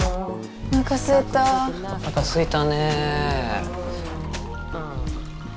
おなかすいたね。